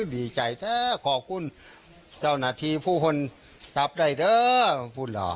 ดีใจแท้ขอบคุณเจ้าหน้าที่ผู้คนจับได้เด้อพูดหล่อ